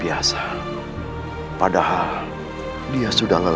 tidak ada yang bisa diberi